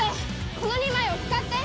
この２枚を使って！